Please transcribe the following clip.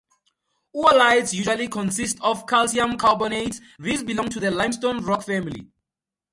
Oolites usually consist of calcium carbonate; these belong to the limestone rock family.